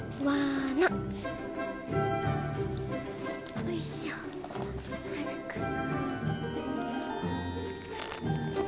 よいしょあるかな。